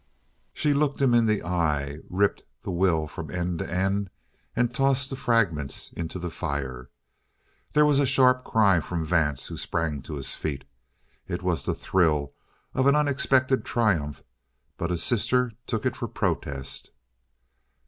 She looked him in the eye, ripped the will from end to end, and tossed the fragments into the fire. There was a sharp cry from Vance, who sprang to his feet. It was the thrill of an unexpected triumph, but his sister took it for protest.